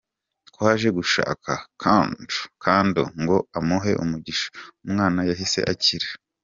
twaje gushaka Chandre ngo amuhe umugisha, umwana yahise akira.